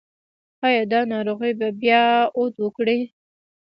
ایا دا ناروغي به بیا عود وکړي؟